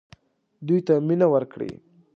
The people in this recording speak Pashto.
دوی ته مینه ورکړئ